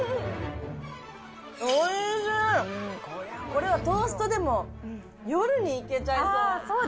これはトーストでも、夜にいけちゃいそう。